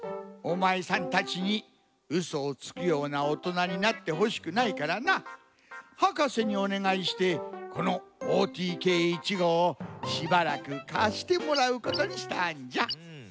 おまえさんたちにウソをつくようなおとなになってほしくないからなはかせにおねがいしてこのＯＴＫ１ごうをしばらくかしてもらうことにしたんじゃ。